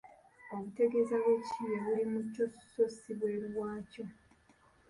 Obutegeeza bw’ekiyiiye buli mu kyo so si bwelu waakyo.